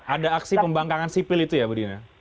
ada aksi pembangkangan sipil itu ya budina